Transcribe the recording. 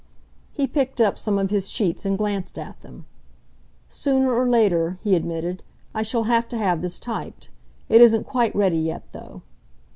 He picked up some of his sheets and glanced at them. "Sooner or later," he admitted, "I shall have to have this typed. It isn't quite ready yet, though."